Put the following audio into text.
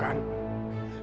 apa yang afif lakukan